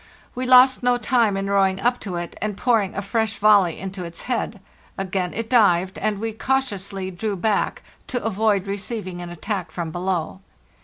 We lost no time in rowing up to it and pouring a fresh volley into its head. Again it dived, and we cautiously drew back, to avoid receiving an attack from below.